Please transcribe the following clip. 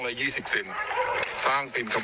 ได้ยิ่งศูนย์อยู่นั้น